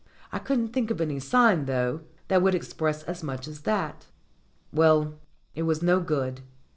I couldn't think of any sign, though, that would express as much as that. Well, it was no good.